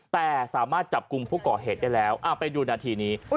แต่สามารถจับกลุ่มผู้ก่อเหตุได้แล้วไปดูนาทีนี้